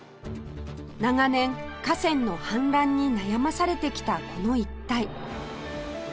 長年河川の氾濫に悩まされてきたこの一帯